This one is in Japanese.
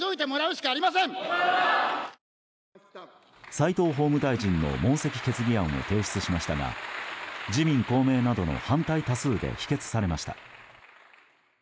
齋藤法務大臣の問責決議案を提出しましたが自民・公明などの反対多数で否決されました。